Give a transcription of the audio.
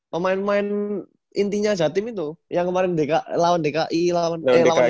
pemain pemain intinya jatim itu yang kemarin lawan dki eh lawan